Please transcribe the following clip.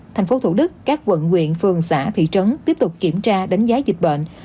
thành phố thủ đức các quận nguyện phường xã thị trấn tiếp tục kiểm tra đánh giá dịch bệnh